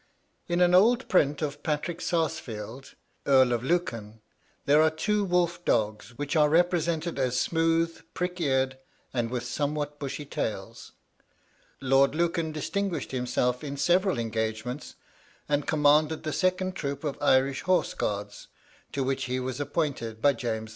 In an old print of Patrick Sarsfield, Earl of Lucan, there are two wolf dogs, which are represented as smooth, prick eared, and with somewhat bushy tails. Lord Lucan distinguished himself in several engagements, and commanded the second troop of Irish Horse Guards, to which he was appointed by James II.